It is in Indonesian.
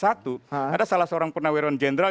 ada salah seorang penawiran jenderal